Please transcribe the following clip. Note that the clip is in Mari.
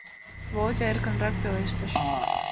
— Володя эркынрак пелештыш.